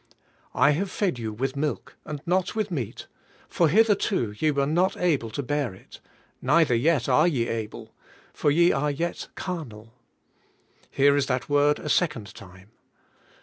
"I have fed you with milk, and not with meat, for hitherto ye were not able to bear it, neither yet are ye able, for ye are yet carnal." Here is that word a second time.